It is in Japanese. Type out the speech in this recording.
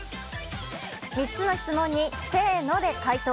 ３つの質問に「せーの」で回答。